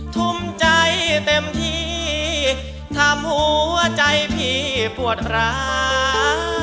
ทุ่มใจเต็มที่ทำหัวใจพี่ปวดร้า